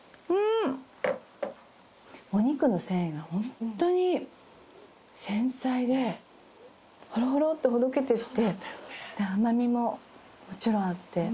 お肉の繊維がホントに繊細でホロホロってほどけてって甘みももちろんあって。